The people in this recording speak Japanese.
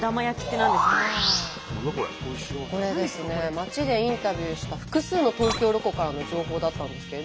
町でインタビューした複数の東京ロコからの情報だったんですけれど。